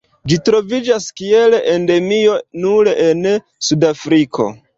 Ĝi troviĝas kiel endemio nur en Sudafriko.